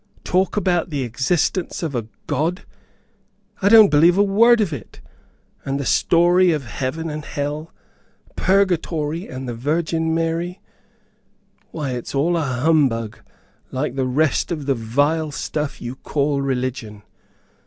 Talk about the existence of a God! I don't believe a word of it. And the story of heaven and hell, purgatory, and the Virgin Mary; why, it's all a humbug, like the rest of the vile stuff you call religion.